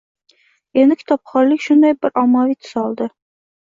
Endi kitobxonlik shunday bir ommaviy tus oldi